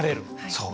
そう。